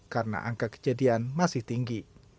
karena angka kejadian masih tinggi